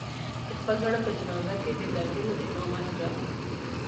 د خپل زړه په جنازه کې د دردونو امامت کړم